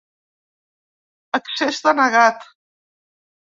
Accés denegat.